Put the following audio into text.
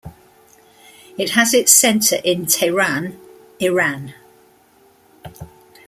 It has its centre in Tehran, Iran.